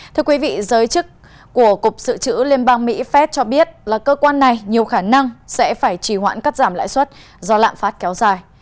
thưa quý vị giới chức của cục sự trữ liên bang mỹ fed cho biết là cơ quan này nhiều khả năng sẽ phải trì hoãn cắt giảm lãi suất do lạm phát kéo dài